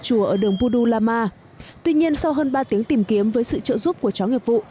chùa ở đường pudu lama tuy nhiên sau hơn ba tiếng tìm kiếm với sự trợ giúp của cháu nghiệp vụ